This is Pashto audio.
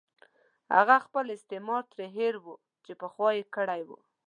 خپل هغه استثمار ترې هېر وو چې پخوا یې کړې وه.